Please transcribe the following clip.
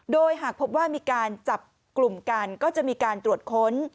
โดยหากพบว่ามีการจับกลุ่มกันก็จะมีการตรวจค้น